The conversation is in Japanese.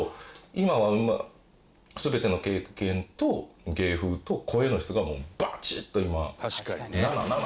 今は全ての経験と芸風と声の質がもうバチッと今。